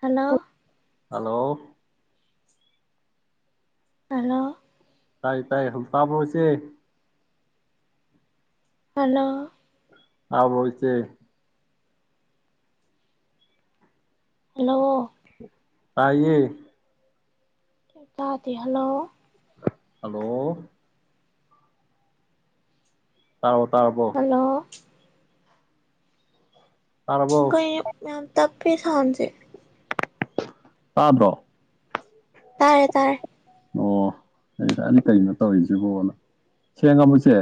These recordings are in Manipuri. ꯍꯂꯣ ꯍꯂꯣ ꯍꯜꯂꯣ ꯇꯥꯏ ꯇꯥꯏ ꯍ ꯇꯥꯕꯔꯣ ꯏꯆꯦ ꯍꯂꯣ ꯇꯥꯕꯥꯔꯣ ꯏꯆꯦ ꯍꯜꯂꯣ ꯇꯥꯏꯌꯦ ꯇꯥꯗꯦ ꯍꯜꯂꯣ ꯍꯜꯂꯣ ꯇꯥꯕꯔꯣ ꯇꯥꯔꯕꯣ ꯍꯜꯂꯣ ꯇꯥꯔꯕꯣ ꯀꯩꯅꯣ ꯌꯥꯝ ꯇꯞꯄꯤ ꯁꯥꯑꯣꯟ ꯁꯦ ꯇꯥꯗꯔꯣ ꯇꯥꯔꯦ ꯇꯥꯔꯦ ꯑꯣ ꯑꯩ ꯑꯅꯤ ꯀꯩꯅꯣ ꯇꯧꯔꯤꯁꯤꯕꯣꯅ ꯁꯦꯡꯉꯕꯣ ꯏꯆꯦ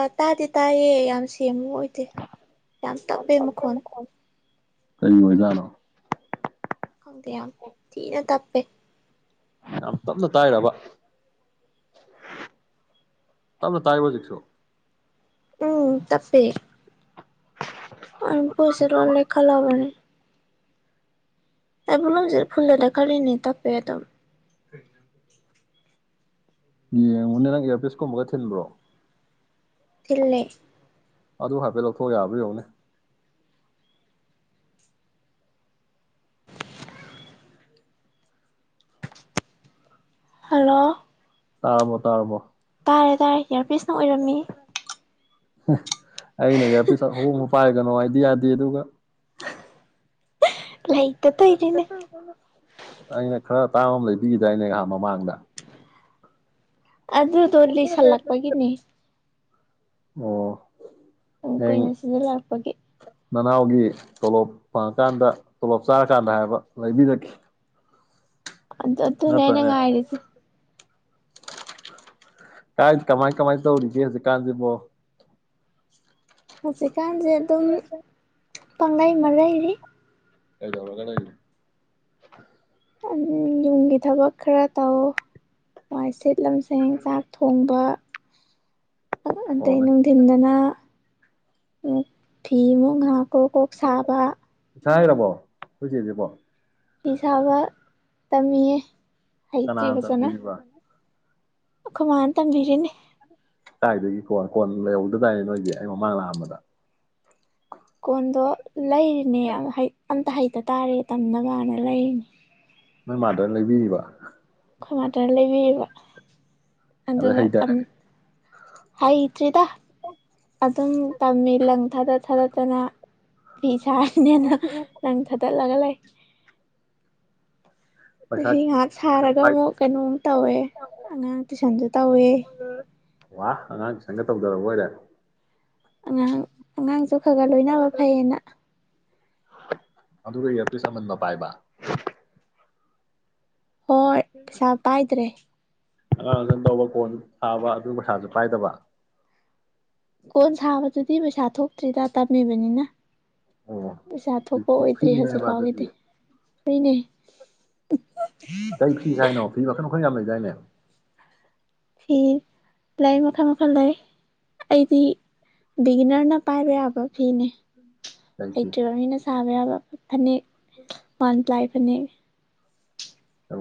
ꯑ ꯇꯥꯗꯤ ꯇꯥꯏꯌꯦ ꯌꯥꯝ ꯁꯦ ꯑꯣꯏꯗꯦ ꯌꯥꯝ ꯇꯞꯄꯦ ꯃꯈꯣꯟ ꯀꯔꯤ ꯑꯣꯏꯖꯥꯇꯅꯣ ꯈꯪꯗ ꯌꯥꯝ ꯊꯤꯅ ꯇ ꯄꯦ ꯌꯥꯝ ꯇꯞꯅ ꯇꯥꯏꯔꯕ ꯇꯞꯅ ꯇꯥꯏꯌꯦꯕ ꯍꯧꯖꯤꯛꯁꯨ ꯎꯝ ꯇꯄꯦꯥ ꯑ ꯄꯩꯁꯥ ꯂꯣꯌ ꯂꯩꯈꯠꯂꯕꯅꯤ [inaudible] ꯑꯩ ꯕꯣꯂꯨꯃꯁꯦ ꯐꯨꯜꯗ ꯂꯩꯈꯠꯂꯤꯅꯤ ꯇꯥꯞ ꯄꯦꯗꯝ ꯌꯦꯡꯉꯨꯅꯦ ꯅꯪ ꯑꯦꯌꯥꯔꯄꯤꯁꯀꯨꯝꯕꯒ ꯊꯤꯟꯕ꯭ꯔꯣ ꯊꯤꯜꯂꯦ ꯑꯗꯨ ꯍꯥꯏꯐꯦꯠ ꯂꯧꯊꯣꯛꯑ ꯌꯥꯕ꯭ꯔ ꯌꯦꯡꯉꯨꯅꯦ ꯍꯜꯂꯣ ꯇꯥꯔꯕꯣ ꯇꯥꯔꯕꯣ ꯇꯥꯔꯦ ꯇꯥꯔꯦ ꯏꯌꯔ ꯄꯤꯁꯅ ꯑꯣꯏꯔꯝꯃꯤꯍꯦ ꯍ ꯑꯩꯅ ꯏꯌꯔ ꯄꯤꯁ ꯑꯍꯣꯡꯕ ꯄꯥꯏ ꯒꯅꯣ ꯍꯥꯏꯗꯤ ꯌꯥꯗꯦ ꯑꯗꯨꯒ ꯂꯩꯩꯇ ꯇꯧꯏꯅꯦꯅꯦ ꯇꯥꯡꯕ ꯑꯃ ꯂꯩꯕꯤꯒꯤꯗꯏꯅꯦ ꯉꯍꯥꯟ ꯃꯃꯥꯡꯗ ꯑꯗꯨꯗꯣ ꯂꯤꯁꯤꯜꯂꯛꯄꯒꯤꯅꯦ ꯑꯣ ꯎꯝ ꯍꯌꯦꯡ ꯀꯨꯏꯅ ꯁꯤꯖꯤꯟꯅꯔꯛꯄꯒꯤ ꯅꯅꯥꯎꯒꯤ ꯇꯣꯂꯣꯞ ꯐꯪꯉꯀꯥꯟꯗ ꯇꯣꯂꯣꯞ ꯆꯥꯔꯀꯥꯟꯗ ꯍꯥꯏꯕ ꯂꯩꯕꯤꯔꯈꯤ ꯑꯗꯨ ꯑꯗꯨꯅꯦ ꯑꯩꯅ ꯉꯥꯏꯔꯤꯁꯦ ꯀꯥꯏ ꯀꯃꯥꯏ ꯀꯃꯥꯏ ꯇꯧꯔꯤꯒꯦ ꯍꯧꯖꯤꯛꯀꯥꯟꯁꯤꯕꯣ ꯍꯧꯖꯤꯛ ꯀꯥꯟꯁꯤ ꯑꯗꯨꯝ ꯄꯪꯂꯩ ꯃꯔꯩꯔꯤ ꯀꯩꯗꯧꯔꯒ ꯂꯩꯔꯤꯅꯣ [unintelligible] ꯌꯨꯝꯒꯤ ꯊꯕꯛ ꯈꯔ ꯇꯧ ꯋꯥꯏ ꯁꯤꯠ ꯂꯝꯁꯦꯡ ꯆꯥꯛ ꯊꯣꯡꯕ [unintelligible] ꯑꯣ ꯑꯇꯩ ꯅꯪ ꯅꯨꯡꯊꯤꯟꯗꯅ ꯨ [unintelligible] ꯐꯤꯃꯨꯛ ꯉꯥꯛ ꯀꯣꯛ ꯀꯣꯛ ꯁꯥꯕ ꯁꯥꯏꯔꯕꯣ ꯑꯩꯈꯣꯏ ꯆꯦꯁꯤꯕꯣꯥ ꯐꯤ ꯁꯥꯥꯕ ꯇꯝꯃꯤꯌꯦ ꯀꯅꯥꯅ ꯇꯝꯕꯤꯔꯤꯕ ꯑꯈꯣꯏ ꯃꯥꯅ ꯇꯝꯕꯤꯔꯤꯅꯤ ꯀꯗꯥꯏꯗꯒꯤ ꯀꯣꯟ ꯀꯣꯟ ꯂꯩꯍꯧꯗꯗꯥꯏꯅꯦ ꯅꯣꯏꯒꯤ ꯑꯩ ꯃꯃꯥꯡ ꯂꯥꯛꯑꯝꯕꯗ ꯀꯣꯟꯗꯣ ꯂꯩꯔꯤꯅꯦ ꯑꯪ ꯍꯩ ꯑꯝꯇ ꯍꯩꯇ ꯇꯥꯔꯦ ꯇꯝꯅꯕꯅ ꯂꯩꯔꯤꯅꯤ ꯅꯣꯏ ꯃꯥꯗꯔꯅ ꯂꯩꯕꯤꯔꯤꯕ ꯈꯣꯏ ꯃꯥꯗꯔꯅ ꯂꯩꯕꯤꯔꯤꯕ ꯑꯗꯩ ꯑꯗꯨꯒ ꯍꯩꯊꯔꯦ ꯇꯝꯃꯤ ꯍꯩꯇ꯭ꯔꯤꯗ ꯑꯗꯨꯝ ꯇꯝꯃꯤ ꯂꯪ ꯊꯥꯗꯠ ꯊꯥꯗꯠꯇꯅ ꯐꯤ ꯁꯥꯔꯤꯅꯦꯅ ꯂꯪ ꯊꯠ ꯭ ꯇꯠꯂꯒ ꯂꯩ ꯄꯩꯁꯥ ꯆꯍꯤ ꯉꯥꯏꯍꯥꯛ ꯁꯥꯔꯒ ꯄꯩꯁꯥ ꯑꯃꯨꯛ ꯀꯩꯅꯣꯝ ꯇꯧꯋꯦ ꯑꯉꯥꯡ ꯇꯨꯏꯁꯟꯁꯖꯨ ꯇꯧꯋꯦ ꯋꯥ ꯑꯉꯥꯡ ꯇꯨꯏꯁꯟꯒ ꯇꯧꯗꯔꯕ ꯑꯣꯏꯔꯦ ꯑꯉꯥꯡ ꯑꯉꯥꯡꯖꯨ ꯈꯔꯒ ꯂꯣꯏꯅꯕ ꯐꯩꯌꯦꯅ ꯑꯗꯨꯒ ꯏꯌꯥꯔꯄꯤꯁ ꯑꯃꯟꯕ ꯄꯥꯏꯕ ꯍꯣꯏ ꯄꯩꯁꯥ ꯄꯥꯏꯗ꯭ꯔꯦ ꯑꯉꯥꯡ ꯁꯟꯖꯨ ꯇꯧꯕ ꯀꯣꯟꯖꯨ ꯁꯥꯕ ꯑꯗꯨꯒ ꯄꯩꯁꯥꯖꯨ ꯄꯥꯏꯗꯕ ꯀꯣꯟ ꯁꯥꯕꯗꯨꯗꯤ ꯄꯩꯁꯥ ꯊꯣꯛꯇ꯭ꯔꯤꯗ ꯇꯝꯃꯤꯕꯅꯤꯅ ꯑꯣ ꯄꯩꯁꯥ ꯊꯣꯛꯄ ꯍꯧꯖꯤꯛꯇꯤ ꯑꯣꯏꯗ꯭ꯔꯤ ꯐ꯭ꯔꯤꯅꯦꯕ ꯑꯗꯨꯗꯤ ꯍꯧꯖꯤꯛꯄꯥꯎꯒꯤꯗꯤ ꯃꯅꯦ ꯀꯩ ꯐꯤ ꯁꯥꯏꯅꯣ ꯐꯤ ꯃꯈꯜ ꯃꯈꯜ ꯌꯥꯝ ꯂꯩꯗꯥꯏꯅꯦ ꯐꯤ ꯂꯩ ꯃꯈꯜ ꯃꯈꯜ ꯂꯩ ꯑꯩꯗꯤ ꯕꯤꯒꯤꯅꯔꯅ ꯄꯥꯏꯕ ꯌꯥꯕ ꯐꯤꯅꯦ ꯀꯩ ꯍꯩꯇꯔ꯭ꯤꯕ ꯃꯤꯅ ꯁꯥꯕ ꯌꯥꯕ ꯐꯅꯦꯛ ꯎꯝ ꯂꯥꯏ ꯐꯅꯦꯛ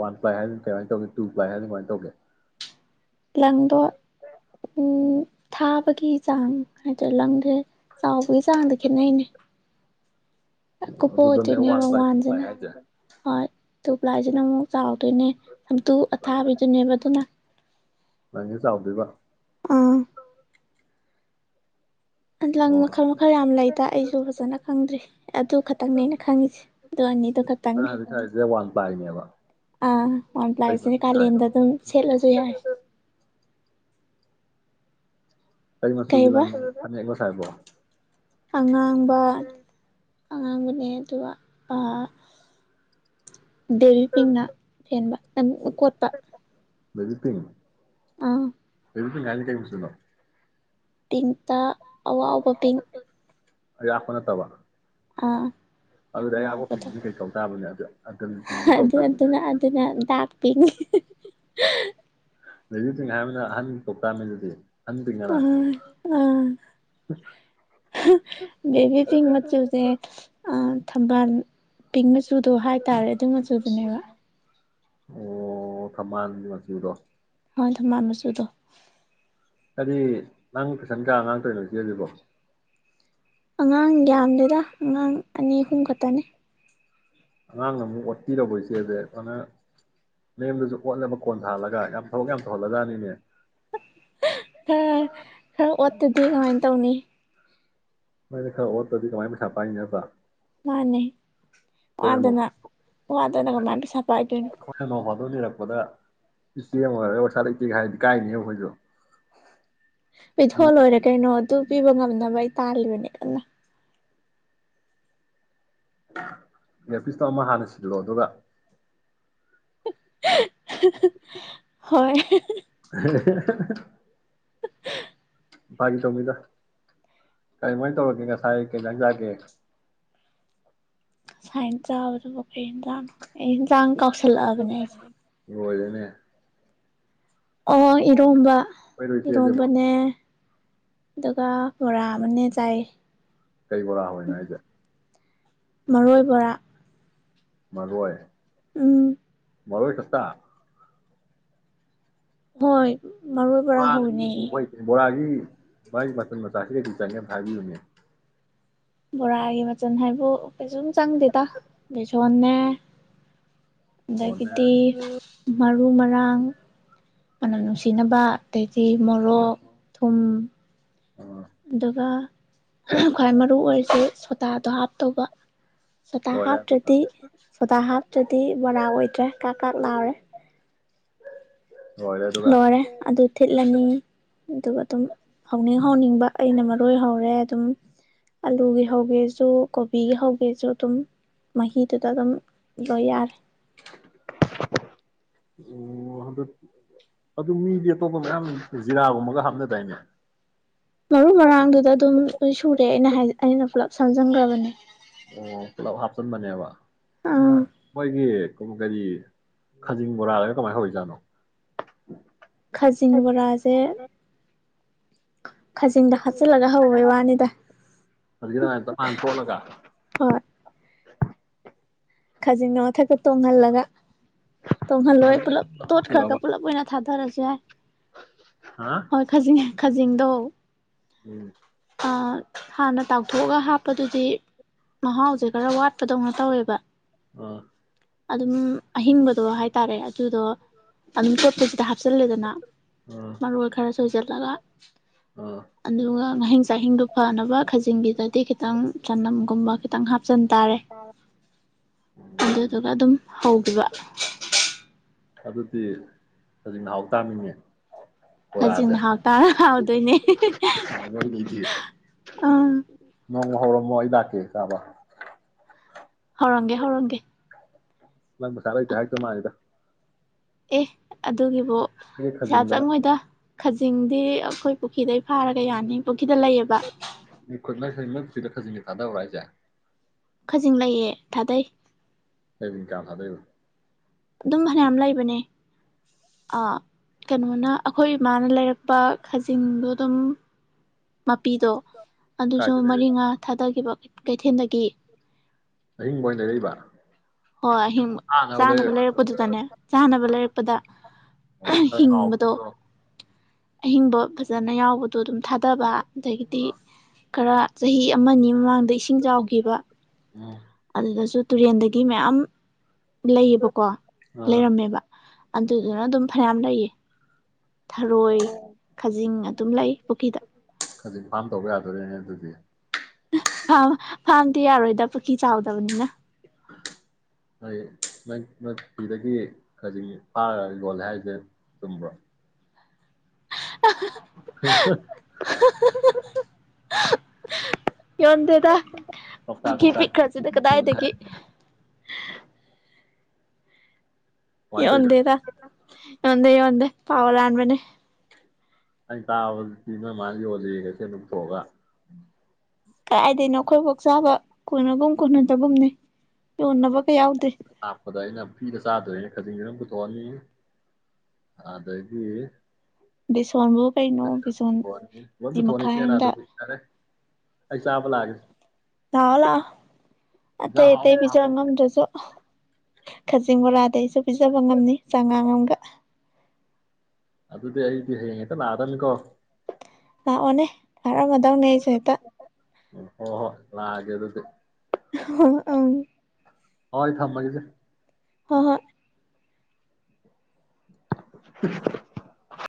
ꯋꯥꯟ ꯄ꯭ꯂꯥꯏ ꯍꯥꯏꯗꯨꯅ ꯀꯃꯥꯏꯅ ꯇꯧꯒꯦ ꯇꯨ ꯄ꯭ꯂꯥꯏ ꯍꯥꯏꯗꯨꯅ ꯀꯃꯥꯏꯅ ꯇꯧꯒꯦ ꯂꯪꯗꯣ [inaudible] ꯎ ꯊꯥꯕꯒꯤ ꯆꯥꯡ ꯍꯥꯏꯇꯥꯔꯦ ꯂꯪꯗꯨꯑ ꯆꯥꯎꯕꯒꯤ ꯆꯥꯡꯗ ꯈꯦꯠꯅꯩꯅꯦ ꯀꯨꯞꯄ ꯑꯗꯨꯗꯅꯦ ꯋꯥꯟ ꯑꯣꯏꯗꯣꯏꯅꯦꯕ ꯄ꯭ꯂꯥꯏ ꯇꯨ ꯄ꯭ꯂꯥꯏ ꯋꯥꯟꯖꯤꯅ ꯍꯥꯏꯁꯦ ꯍꯣꯏ ꯇꯨ ꯄ꯭ꯂꯥꯏꯖꯤꯅ ꯑꯃꯨꯛ ꯆꯥꯎꯗꯣꯏꯅꯦ ꯁꯥꯝꯇꯨ ꯑꯊꯥꯕꯤꯗꯨꯅꯦꯕ ꯑꯗꯨꯅ ꯅꯥ ꯆꯥꯎꯗꯣꯏꯕ ꯑꯥ ꯂꯪ ꯑꯣ ꯃꯈꯜ ꯃꯈꯜ ꯌꯥꯝ ꯂꯩꯗ ꯑꯩꯖꯨ ꯐꯖꯅ ꯈꯪꯗ꯭ꯔꯤ꯫ ꯑꯗꯨ ꯈꯇꯪꯅꯦ ꯑꯩꯅ ꯈꯪꯉꯤꯖꯦ ꯑꯗꯨ ꯑꯅꯤꯗꯨ ꯅꯪ ꯈꯛꯇꯪꯅꯦ꯫ ꯍꯧꯖꯤꯛ ꯁꯥꯏꯁꯦ ꯋꯥꯟ ꯄ꯭ꯂꯥꯏꯅꯦꯕ ꯑꯥ ꯋꯥꯟ ꯀꯩ ꯄ꯭ꯂꯥꯏꯖꯤꯅ ꯃꯆꯨ ꯁꯥꯏꯅꯣ ꯀꯥꯂꯦꯟꯗ ꯑꯗꯨꯝ ꯁꯦꯠꯂꯖꯨ ꯌꯥꯔꯦ ꯀꯔꯤ ꯃꯆꯨꯒꯤ ꯀꯩꯕ ꯂꯪ ꯐꯅꯦꯛꯂꯣ ꯁꯥꯏ ꯈꯥꯏꯕꯣ ꯑꯉꯥꯡꯕ ꯑꯉꯥꯡꯕꯅꯦ ꯑꯗꯨꯒ ꯄꯥ ꯕꯦꯕꯤ ꯄꯤꯡꯅ ꯐꯦꯟꯕ ꯨꯎꯪ ꯀꯣꯠꯄ ꯕꯦꯕꯤ ꯄꯤꯡ ꯑꯥ ꯕꯦꯕꯤ ꯄꯤꯡ ꯍꯥꯏꯖꯦ ꯀꯩ ꯝꯆꯨꯅꯣ ꯄꯤꯡ ꯇ ꯑꯋꯥꯎꯕ ꯄꯤꯡ ꯑꯌꯥꯛꯄ ꯅꯇꯕ ꯑꯥ ꯌꯥꯝ ꯋꯥꯎꯕꯗꯣ ꯀꯩ ꯀꯧ ꯇꯥꯕꯅꯦ ꯑꯗꯨ ꯑꯇꯜ ꯍꯥ ꯄꯤꯡ ꯀꯧ ꯑꯗꯨꯅ ꯑꯗꯨꯅ ꯇꯥꯕꯅꯦ ꯑꯗꯨꯅ ꯗꯥꯛꯄꯤꯅꯤ ꯂꯩ ꯑ ꯑ ꯕꯦꯕꯤꯁꯤꯡ ꯃꯆꯨꯁꯦ ꯑ ꯊꯝꯕꯥꯟ ꯄꯤꯡ ꯃꯆꯨꯗꯣ ꯍꯥꯏꯇꯥꯔꯦ ꯑꯗꯨ ꯃꯆꯨꯗꯨꯅꯦꯕ ꯑꯣ ꯊꯝꯕꯥꯟ ꯃꯆꯨꯗꯣ ꯍꯣꯏ ꯊꯝꯕꯥꯟ ꯃꯆꯨꯗꯣ ꯀꯔꯤ ꯅꯪ ꯇꯨꯢꯁꯟ ꯀꯥꯌꯥ ꯉꯥꯡ ꯇꯧꯏꯅꯣ ꯖꯤꯖꯤꯕꯣ ꯑꯉꯥꯡ ꯌꯥꯝꯗꯦꯗ ꯑꯉꯥꯡ ꯑꯅꯤ ꯑꯍꯨꯝ ꯈꯛꯇꯅꯤ ꯑꯉꯥꯡꯅ ꯑꯃꯨꯛ ꯑꯣꯠꯄꯤꯔꯧꯕ ꯏꯆꯦꯁꯦ ꯑꯗꯨꯅ ꯅꯦꯝꯗꯁꯨ ꯑꯣꯠꯂꯕ ꯀꯣꯟꯊꯥꯍꯜꯂꯒ ꯌꯥꯝ ꯊꯕꯛ ꯌꯥꯝ ꯇꯧꯍꯜꯂꯖꯥꯠꯅꯤꯅꯦ ꯈꯔ ꯈꯔ ꯑꯣꯠꯇꯗꯤ ꯀꯃꯥꯏ ꯇꯧꯅꯤ ꯁꯨꯃꯥꯢꯅ ꯈꯔ ꯑꯣꯠꯇꯗꯤ ꯀꯃꯥꯏꯅ ꯄꯩꯁꯥ ꯄꯥꯏꯅꯤ ꯅꯇ꯭ꯔ ꯃꯥꯅꯦ ꯋꯥꯗꯅ ꯋꯥꯗꯅ ꯀꯃꯥꯏꯅ ꯄꯩꯁꯥ ꯄꯥꯏꯗꯣꯏꯅꯣ [unintelligible] ꯔꯛꯄꯗ ꯏꯆꯦꯃ ꯑꯣꯏꯔ [unintelligible] ꯂꯩꯇꯦꯒ ꯍꯥꯢꯔꯗꯤ ꯏꯀꯥꯢꯅꯦꯕ ꯑꯩꯈꯣꯢꯖꯨ ꯄꯤꯊꯣꯑ ꯂꯣꯏꯔꯦ ꯀꯩꯅꯣ ꯑꯗꯨꯨ ꯄꯤꯕ ꯉꯝꯅꯕ ꯢ ꯇꯥꯜꯂꯤꯕꯅꯤ ꯀꯟꯅ ꯑꯦꯔꯄꯤꯁꯇꯣ ꯑꯃ ꯍꯥꯟꯅ ꯁꯤꯜꯂꯣ ꯑꯗꯨꯒ ꯍꯍ ꯍꯍ ꯍꯣꯏ ꯍꯍ ꯍꯍꯍꯍꯍ ꯍ ꯍ ꯐꯥꯒꯤ ꯇꯧꯅꯤꯗ ꯀꯔꯤꯃꯥꯏꯅ ꯇꯧꯔꯒꯦ ꯉꯁꯥꯏ ꯀꯩꯖꯥꯡ ꯆꯥꯒꯦ ꯁꯥꯏ ꯆꯥꯕꯗꯨꯕꯨ ꯑꯩ ꯌꯦꯟꯁꯥꯡ ꯑꯩ ꯌꯦꯟꯁꯥꯡ ꯀꯥꯎꯁꯜꯂꯛꯑꯕꯅꯦ ꯑꯩꯁꯦ ꯂꯣꯢꯔꯦꯅꯦ ꯑꯣ ꯏꯔꯣꯝꯕ ꯑꯩꯈꯣꯏꯗꯣ ꯏꯆꯦꯁꯤꯕꯣ ꯏꯔꯣꯝꯕꯅꯦ ꯑꯗꯨꯒ ꯕꯣꯔꯥ ꯑꯃꯅꯦ ꯆꯥꯏ ꯀꯩ ꯕꯣꯔꯥ ꯍꯧꯋꯤꯅꯣ ꯍꯥꯢꯖꯦ ꯃꯔꯣꯏꯕꯣꯔꯥ ꯃꯔꯣꯏ ꯎꯝ ꯃꯔꯣꯢ ꯈꯛꯇ ꯍꯣꯏ ꯃꯔꯣꯏ ꯕꯣꯔꯥ ꯍꯧꯋꯤꯅꯦ [unintelligible] ꯕꯣꯔꯥꯖꯤ ꯃꯥꯢ ꯃꯆꯟ ꯃꯆꯥꯛꯁꯦ ꯀꯩꯀꯩ ꯆꯪꯒꯦ ꯑꯝꯇ ꯍꯥꯢꯕꯤꯌꯨꯅꯦ ꯕꯣꯔꯥꯒꯤ ꯃꯆꯜ ꯍꯥꯏꯕꯨ ꯀꯩꯁꯨꯝ ꯆꯪꯗꯦꯗ ꯕꯦꯁꯣꯟꯅꯦ ꯀꯣꯟꯅ ꯑꯗꯒꯤꯗꯤ ꯃꯔꯣ ꯃꯔꯨ ꯃꯔꯥꯡ ꯃꯅꯝ ꯅꯨꯡꯁꯤꯅꯕ ꯑꯗꯩꯗꯤ ꯃꯣꯔꯣꯛ ꯊꯨꯝ ꯑꯣ ꯑꯗꯨꯒ ꯈ꯭ꯋꯥꯏ ꯃꯔꯨ ꯑꯣꯏꯔꯤꯁꯤꯦ ꯁꯣꯗꯥꯗꯣ ꯍꯥꯞ ꯇꯧꯕ ꯁꯣꯗꯥ ꯂꯣꯏꯔꯦ ꯑꯗꯨꯒ ꯍꯥꯞꯇ꯭ꯔꯗꯤ ꯁꯣꯗꯥ ꯍꯥꯞꯇ꯭ꯔꯗꯤ ꯕꯣꯔꯥ ꯑꯣꯏꯗ꯭ꯔꯦ ꯀꯥꯛ - ꯀꯥꯛ ꯂꯥꯎꯔꯦ ꯂꯣꯏꯔꯦ ꯑꯗꯨꯒ ꯂꯣꯏꯔꯦ ꯑꯗꯨ ꯊꯤꯠꯂꯅꯤ ꯑꯗꯨꯒ ꯑꯗꯨꯝ ꯍꯧꯅꯤꯡ ꯍꯧꯅꯤꯡꯕ ꯑꯩꯅ ꯃꯔꯣꯏ ꯍꯧꯔꯦ ꯑꯗꯨꯝ ꯑꯂꯨꯒꯤ ꯍꯧꯒꯦꯁꯨ ꯀꯣꯕꯤꯒꯤ ꯍꯧꯒꯦꯁꯨ ꯑꯗꯨꯝ ꯃꯍꯤꯗꯨꯗ ꯑꯗꯨꯝ ꯂꯣꯏ ꯌꯥꯔꯦ ꯑꯣ ꯑꯗꯨ ꯃꯤꯗꯤ ꯑꯇꯣꯞꯄ ꯃꯌꯥꯝ ꯖꯤꯔꯥꯒꯨꯝꯕꯒ ꯍꯥꯞꯅꯗꯥꯏꯅꯦ ꯃꯔꯨ ꯃꯔꯥꯡꯗꯨꯗ ꯑꯗꯨꯝ ꯂꯣꯏꯁꯨꯔꯦ ꯑꯩꯅ- ꯑꯩꯅ ꯄꯨꯂꯞ ꯁꯝꯖꯤꯟꯒ꯭ꯔꯕꯅꯦ ꯑꯣ ꯄꯨꯂꯞ ꯍꯥꯞꯆꯟꯕꯅꯦꯕ ꯑꯥ ꯃꯣꯏꯒꯤ ꯀꯩꯔꯤ ꯈꯖꯤꯡ ꯕꯣꯔꯥꯒꯗꯣ ꯀꯃꯥꯏꯅ ꯍꯧꯔꯤꯖꯥꯠꯅꯣ ꯈꯥꯖꯤꯡꯕꯣꯔꯥꯁꯦ ꯈꯖꯤꯡꯗ ꯍꯥꯞꯆꯤꯜꯂꯒ ꯍꯧꯕꯩ ꯋꯥꯅꯤꯗ ꯍꯧꯖꯤꯛꯀꯤ ꯑꯗꯨꯃꯥꯏꯅ ꯇꯞ ꯇꯥꯅ ꯊꯣꯠꯂꯒ ꯍꯣꯏ ꯈꯥꯖꯤꯡꯅ ꯃꯊꯛꯇ ꯇꯣꯡꯍꯜꯂꯒ ꯇꯣꯡꯍꯜꯂꯣꯏ ꯄꯨꯂꯞ ꯇꯣꯠꯈ꯭ꯔꯒ ꯊꯣꯠꯇꯣꯏꯔꯕ ꯄꯨꯂꯞ ꯑꯣꯏꯅ ꯊꯥꯗꯔꯁꯨ ꯌꯥꯏ ꯍꯥ ꯍꯣꯏ ꯈꯖꯤꯡ ꯈꯖꯤꯡꯗꯣ ꯎꯝ ꯑ ꯍꯥꯟꯅ ꯇꯥꯎꯊꯣꯛꯑꯒ ꯍꯥꯞꯄꯗꯨꯗꯤ ꯃꯍꯥꯎꯁꯦ ꯈꯔ ꯋꯥꯠꯄꯗꯧꯅ ꯇꯧꯋꯦꯕ ꯑ ꯑꯗꯨꯝ ꯑꯍꯤꯡꯕꯗꯣ ꯍꯥꯏꯇꯥꯔꯦ ꯑꯗꯨꯗꯣ ꯑꯗꯨꯝ ꯆꯣꯠꯄꯁꯤꯗ ꯍꯥ ꯍꯥꯞꯆꯤꯜꯂꯦꯗꯅ ꯑꯥ ꯃꯔꯣꯏ ꯈꯔ ꯁꯣꯏꯁꯤꯜꯂꯒ ꯑꯥ ꯑꯗꯨꯒ ꯉꯍꯤꯡ ꯆꯥꯍꯤꯡꯗꯣ ꯐꯅꯕ ꯈꯖꯤꯡꯒꯤꯗꯗꯤ ꯈꯤꯇꯪ ꯆꯅꯝ ꯀꯨꯝꯕꯈꯤꯇꯪ ꯍꯥꯞ ꯆꯟ ꯇꯥꯔꯦ ꯎꯝ ꯑꯗꯨꯗꯨꯒ ꯑꯗꯨꯝ ꯍꯧꯒꯤꯕ ꯑꯗꯨꯗꯤ ꯈꯖꯤꯡꯅ ꯍꯥꯎ ꯇꯥꯕꯅꯤꯅꯦ ꯈꯖꯤꯡꯅ ꯍꯥꯎꯇꯥꯔ ꯍꯥꯎꯗꯣꯏꯅꯦ ꯅꯣꯏꯒꯤꯗꯤ ꯑꯪ ꯅꯣꯡꯃ ꯍꯧꯔꯝꯃꯣ ꯑꯩ ꯂꯥꯛꯀꯦ ꯆꯥꯕ ꯍꯧꯔꯝꯒꯦ -ꯍꯧꯔꯝꯒꯦ ꯅꯪ ꯄꯩꯁꯥ ꯂꯩꯇꯦ ꯍꯥꯏꯔꯛꯇꯧ ꯃꯥꯜꯂꯤꯗ ꯑꯦ ꯑꯗꯨꯒꯤꯕꯨ ꯀꯩ ꯄꯩꯁꯥ ꯈꯖꯤꯡ ꯗꯅ ꯆꯪꯉꯣꯏꯗ ꯈꯖꯤꯡꯗꯤ ꯑꯈꯣꯏ ꯄꯨꯈꯤꯗꯩ ꯐꯥꯔꯒ ꯌꯥꯅꯤ ꯄꯨꯈꯤꯗ ꯂꯩꯑꯕ ꯃꯤ ꯈꯨꯠ [unintelligible] ꯅꯣꯏ ꯄꯨꯈꯤꯗ ꯈꯖꯤꯡꯗꯤ ꯊꯥꯗꯕꯔꯣ ꯍꯥꯏꯖꯦ ꯖꯤꯡ ꯂꯩꯌꯦ ꯊꯥꯗꯩ ꯀꯌ꯭ꯥꯝ ꯊꯥꯗꯩꯩꯕ ꯑꯗꯨꯝ ꯐꯅꯌꯥꯝ ꯂꯩꯕꯅꯦ ꯑꯥ ꯀꯦꯅꯣꯅ ꯑꯈꯣꯏ ꯃꯥꯅ ꯂꯩꯔꯛꯄ ꯈꯖꯤꯡꯗꯣ ꯗꯨꯝ ꯃꯄꯤꯗꯣ ꯑꯗꯨꯁꯨ ꯀꯥꯏꯗꯩ ꯂꯩꯔꯛꯏꯕ ꯃꯔꯤꯉꯥ ꯊꯥꯗꯒꯤꯕ ꯀꯩꯊꯦꯟꯗꯒꯤ ꯑꯍꯤꯡꯕ ꯑꯣꯏ ꯂꯩꯔꯛꯏꯕ ꯍꯣ ꯑꯥꯍꯤꯡꯕ ꯆꯥꯅꯕ ꯂꯩꯔꯛꯏꯔ ꯅꯠꯇ꯭ꯔꯒ ꯂꯩꯔꯛꯄꯗꯨꯗꯅꯦ ꯆꯥꯅꯕ ꯂꯩꯔꯛꯄꯗ ꯑꯣ ꯈꯔ ꯍꯤꯡꯕꯗꯣ ꯆꯥꯎꯕꯗꯣ ꯑꯍꯤꯡꯕ ꯐꯖꯅ ꯌꯥꯎꯕꯗꯣ ꯗꯨꯝ ꯊꯥꯗꯕ ꯗꯒꯤꯗꯤ ꯑꯥ ꯈꯔ ꯆꯍꯤ ꯑꯃꯅꯤ ꯃꯃꯥꯡ ꯗ ꯏꯁꯤꯡ ꯆꯥꯎꯒꯤꯕ ꯎꯝ ꯑꯗꯨꯗꯖꯨꯠ ꯇꯨꯔꯦꯟꯗꯩꯩ ꯒꯤ ꯃꯌꯥꯝ ꯂꯩꯑꯕꯀꯣ ꯑꯥ ꯂꯩꯔꯝꯃꯦꯕ ꯑꯗꯨꯗꯨꯅ ꯗꯨꯝ ꯐꯅꯌꯥꯝ ꯂꯩꯌꯦ ꯊꯔꯣꯏ ꯈꯖꯤꯡ ꯑꯗꯨꯝ ꯂꯩ ꯄꯨꯈꯤꯗ ꯑꯗꯨꯏ ꯐꯥꯔꯝ ꯇꯧꯕ ꯌꯥꯗꯣꯔꯤꯅꯦ ꯑꯗꯨꯗꯤ ꯐꯥꯝ ꯐꯥꯝ ꯇꯤ ꯌꯥꯔꯣꯏꯗ ꯄꯨꯈꯤ ꯆꯥꯎꯗꯕꯅꯤꯅ ꯑꯩ ꯅꯪ ꯅꯣꯏ ꯄꯨꯈꯤꯗꯒꯤ ꯈꯖꯤꯡ ꯐꯥꯔ ꯌꯣꯜꯂꯦ ꯍꯥꯏꯖꯦ ꯆꯨꯝꯕ꯭ꯔꯣ [unintelligible] [unintelligible] [unintelligible] ꯌꯣꯟꯗꯦꯗ ꯀꯧꯇꯥ ꯑꯀꯤ ꯀꯧꯇꯥ ꯄꯤꯛꯈ꯭ꯔꯖꯤꯗ ꯌꯣꯜꯂꯦ ꯀꯗꯥꯏꯗꯒꯤ ꯍꯥꯏꯔꯤꯅꯦ ꯀꯃꯥꯏꯅ ꯇꯧꯔꯤꯖꯥꯠꯅꯣ ꯌꯣꯟꯗꯦꯗ ꯌꯣꯟꯗꯦ ꯌꯣꯟꯗꯦ꯫ ꯄꯥꯎ ꯂꯥꯟꯕꯅꯦ ꯑꯩ ꯇꯥꯕꯗꯗꯤ ꯅꯣꯏꯃꯥꯅ ꯌꯣꯜꯂꯦꯌꯦ ꯀꯩꯊꯦꯟꯗ ꯄꯨꯊꯣꯛꯑꯒ ꯀꯗꯩꯅꯣ ꯑꯈꯣꯏꯕꯧ ꯆꯥꯕ ꯀꯣꯟꯅꯒꯨꯝ ꯀꯣꯟꯅꯗꯒꯨꯝꯅꯦ ꯌꯣꯟꯅꯕ ꯒ ꯌꯥꯎꯗꯦ ꯐꯤꯗ ꯆꯥꯗꯣꯔꯦꯅꯦ ꯈꯖꯤꯡꯖꯤ ꯅꯪ ꯄꯨꯊꯣꯛꯑꯅꯤ ꯑꯗꯒꯤ ꯕꯤꯁꯣꯟꯕꯨ ꯂꯣꯏ ꯄꯨꯊꯣꯑꯅꯤ ꯏꯆꯦꯅ ꯑꯝꯗ ꯑꯗꯨꯗꯤ ꯐꯔꯦ ꯑꯩ ꯆꯥꯕ ꯂꯥꯑꯒꯦ ꯂꯥꯑꯣ ꯂꯥꯎ ꯑꯇꯩ ꯑꯇꯩ ꯑꯍꯥꯎꯕ ꯄꯤꯖꯥ ꯍꯥꯞꯄꯝꯃꯣ ꯉꯝꯗꯔ꯭ꯖꯨ ꯈꯖꯤꯡ ꯕꯣꯔꯥꯗꯤ ꯑꯩꯁꯨ ꯄꯤꯖꯕ ꯉꯝꯅꯤ ꯆꯥꯉꯥꯡ ꯑꯃꯒ ꯑꯗꯨꯗꯤ ꯑꯩꯗꯤ ꯍꯌꯦꯡ ꯍꯦꯛꯇ ꯂꯥꯛꯑꯗꯝꯅꯤꯀꯣ ꯂꯥꯛꯑꯣꯅꯦ [unintelligible] ꯃꯗꯧꯅꯤ ꯑꯩꯁꯨ ꯍꯦꯛꯇ ꯍꯣ ꯍꯣ ꯂꯥꯛ ꯑꯒꯦ ꯑꯗꯨꯗꯤ ꯑꯍ ꯍꫭ ꯑꯝ ꯍꫭ ꯑꯩ ꯊꯝꯃꯒꯦꯁꯦ ꯍꫭ ꯍꯣꯏ [inaudible]